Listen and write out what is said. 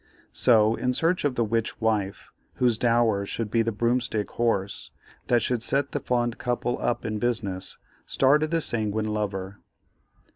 So, in search of the witch wife, whose dower should be the broomstick horse, that should set the fond couple up in business, started the sanguine lover.